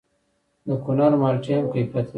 د کونړ مالټې هم کیفیت لري.